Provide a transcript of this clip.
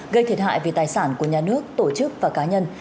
gây thiệt hại về tài sản của nhà nước tổ chức và cá nhân